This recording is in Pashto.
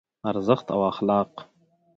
ارزښت او اخلاق